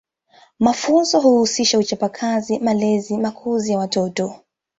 Mafunzo huhusisha uchapa Kazi malezi na makuzi ya watoto